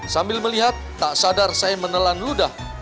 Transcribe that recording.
sambil melihat tak sadar saya menelan ludah